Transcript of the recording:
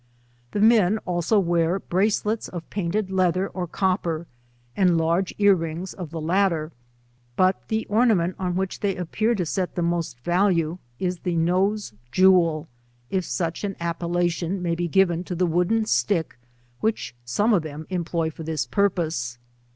1 79 The men also wear bracelets of paioled leather or copper, and large ear rings of the latter, but the ornament on which they appear to set the most value, is the nose jewel, if such an appella tiou may be given to the wooden stick which some of them employ for this purpose.